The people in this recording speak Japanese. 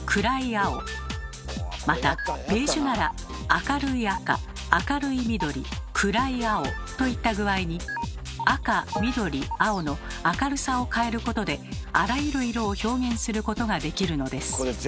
またベージュなら明るい赤明るい緑暗い青といった具合に赤緑青の明るさを変えることであらゆる色を表現することができるのです。